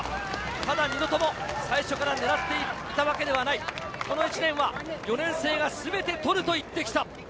ただ２度とも、最初から狙っていったわけではない、この１年は４年生がすべて取ると言ってきた。